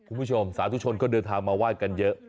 คุณผู้ชมสาศุชนก็เดินทางมาไหว้กันเยอะ